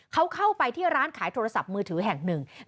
เขาเข้าไปที่ร้านขายโทรศัพท์มือถือแห่งหนึ่ง